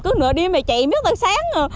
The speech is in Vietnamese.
cứ nửa đêm chạy mưa sáng